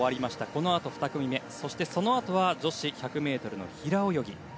このあと２組目そして、そのあとは女子１００ｍの平泳ぎ。